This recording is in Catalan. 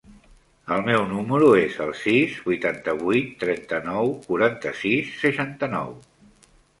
El meu número es el sis, vuitanta-vuit, trenta-nou, quaranta-sis, seixanta-nou.